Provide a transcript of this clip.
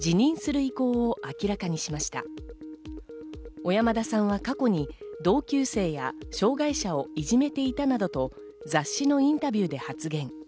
小山田さんは過去に同級生や障害者をいじめていたなどと雑誌のインタビューで発言。